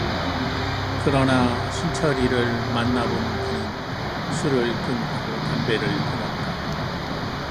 그러나 신철이를 만나 본 그는 술을 끊고 담배를 끊었다.